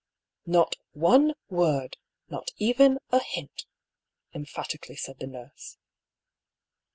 " Not — one — word — not even a hint," emphatically said the nurse.